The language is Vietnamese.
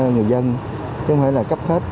chứ không phải là cấp hết